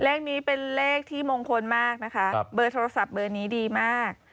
เลขนี้เป็นเลขที่มงคลมากนะคะเบอร์โทรศัพท์เบอร์นี้ดีมาก